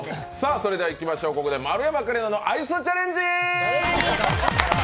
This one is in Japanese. それではいきましょう、ここで丸山桂里奈のアイスチャレンジ。